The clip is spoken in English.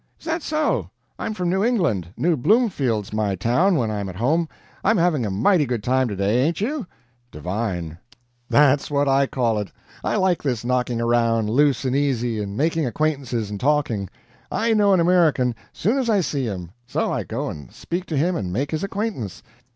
"Is that so? I'm from New England New Bloomfield's my town when I'm at home. I'm having a mighty good time today, ain't you?" "Divine." "That's what I call it. I like this knocking around, loose and easy, and making acquaintances and talking. I know an American, soon as I see him; so I go and speak to him and make his acquaintance.